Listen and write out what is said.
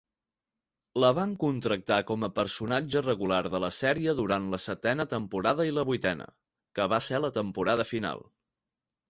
La van contractar com a personatge regular de la sèrie durant la setena temporada i la vuitena, que va ser la temporada final.